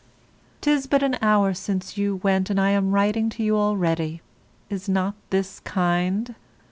_ SIR, 'Tis but an hour since you went, and I am writing to you already; is not this kind?